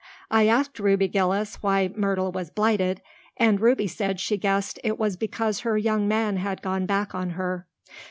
I asked Ruby Gillis why Myrtle was blighted, and Ruby said she guessed it was because her young man had gone back on her.